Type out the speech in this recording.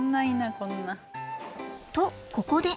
とここで。